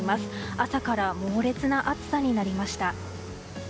朝から猛烈な暑さになりました。